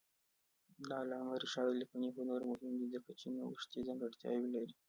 د علامه رشاد لیکنی هنر مهم دی ځکه چې نوښتي ځانګړتیاوې لري.